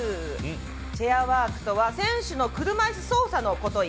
チェアワークとは、選手の車いす操作のことをいいます。